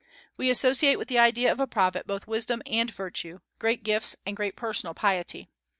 We associate with the idea of a prophet both wisdom and virtue, great gifts and great personal piety.